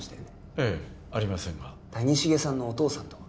ええありませんが谷繁さんのお父さんとは？